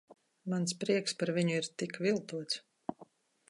Mans prieks par viņu ir tik viltots.